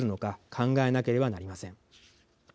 考えなければなりません。